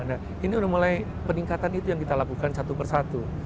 nah ini udah mulai peningkatan itu yang kita lakukan satu persatu